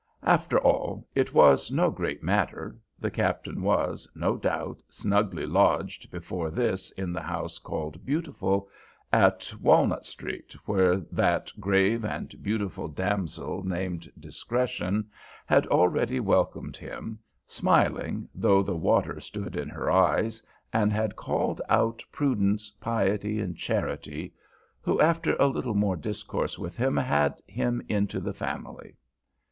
After all, it was no great matter; the Captain was, no doubt, snugly lodged before this in the house called Beautiful, at Walnut Street, where that "grave and beautiful damsel named Discretion" had already welcomed him, smiling, though "the water stood in her eyes," and had "called out Prudence, Piety, and Charity, who, after a little more discourse with him, had him into the family."